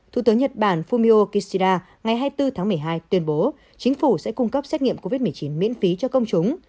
thủ tướng nhật bản fumio kishida ngày hai mươi bốn tháng một mươi hai tuyên bố chính phủ sẽ cung cấp xét nghiệm covid một mươi chín miễn phí cho công chúng